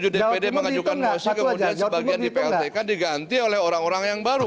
dua puluh tujuh dpd mengajukan mosi kemudian sebagian di plt kan diganti oleh orang orang yang baru